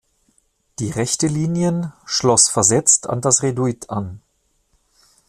Die rechte Linien schloss versetzt an das Reduit an.